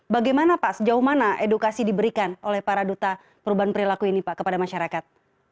bagaimana pak sejauh mana edukasi diberikan oleh para duta perubahan perilaku ini pak kepada masyarakat